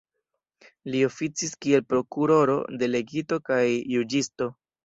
Li oficis kiel prokuroro, delegito kaj juĝisto.